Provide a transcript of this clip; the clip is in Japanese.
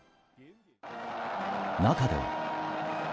中では。